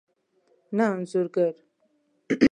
نه انځور ګر